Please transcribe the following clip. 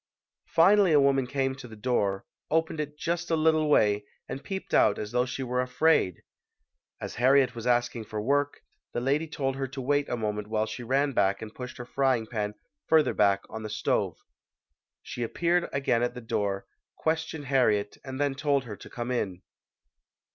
Finally a woman came to the door, opened it just a little way and peeped out as though she were afraid. As Harriet was asking for work, the lady told her to wait a moment while she ran back and pushed her frying pan further back on the stove. She appeared again at the door, questioned Har riet and then told her to come in.